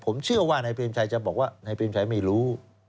ผมเชื่อว่านายเปรมชัยจะบอกว่านายเปรมชัยไม่รู้